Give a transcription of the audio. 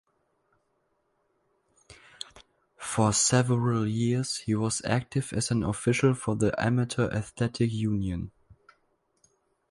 For several years, he was active as an official for the Amateur Athletic Union.